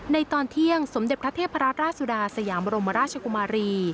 ตอนเที่ยงสมเด็จพระเทพราชสุดาสยามบรมราชกุมารี